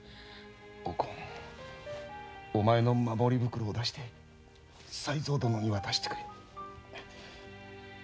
お紺お前の守り袋を出して才三殿に渡してくれ。